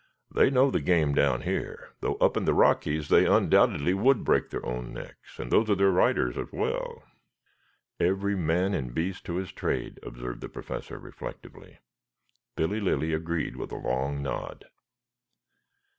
They know the game down here, though up in the Rockies they undoubtedly would break their own necks and those of their riders as well." "Every man and beast to his trade," observed the Professor reflectively. Billy Lilly agreed with a long nod.